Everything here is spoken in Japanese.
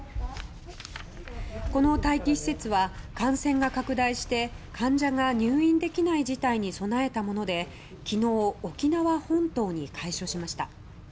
この待機施設は感染が拡大して患者が入院できない事態に備えたもので昨日、沖縄本島に開所しました。